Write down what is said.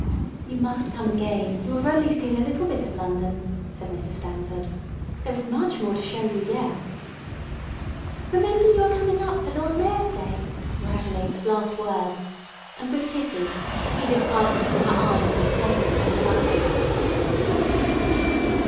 "You must come again; you have only seen a little bit of London," said Mrs. Stamford. "There is much more to show you yet." "Remember you are coming up for Lord Mayor's day," were Adelaide's last words, and with kisses Edith parted from her aunt and cousin with reluctance.